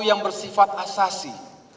yang bersifat asasi